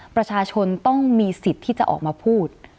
ประชาชนต้องมีสิทธิ์ที่จะออกมาพูด